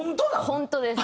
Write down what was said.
本当です。